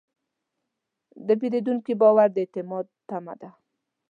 د پیرودونکي باور د اعتماد تمه ده.